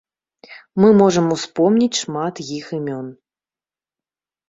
Мы можам успомніць шмат іх імён.